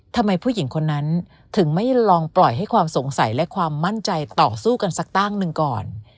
ทำไมผู้หญิงคนนั้นถึงไม่ลองปล่อยให้ความสงสัยและความมั่นใจต่อสู้กันสักตั้งหนึ่งก่อน